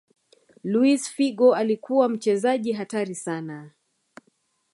luis figo alikuwa mchezaji hatari sana